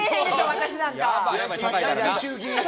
私なんか。